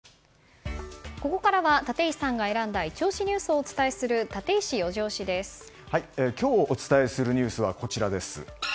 ここからは立石さんが選んだイチ推しニュースをお伝えする今日、お伝えするニュースはこちらです。